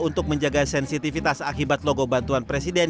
untuk menjaga sensitivitas akibat logo bantuan presiden